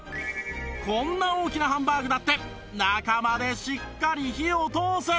こんな大きなハンバーグだって中までしっかり火を通す！